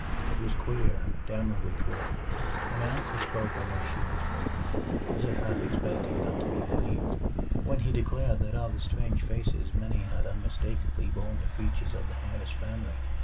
It was queer damnably queer and my uncle spoke almost sheepishly, as if half expecting not to be believed, when he declared that of the strange faces many had unmistakably borne the features of the Harris family.